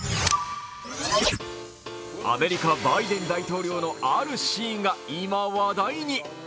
アメリカ・バイデン大統領のあるシーンが今、話題に。